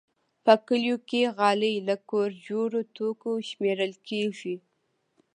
په کلیو کې غالۍ له کور جوړو توکو شمېرل کېږي.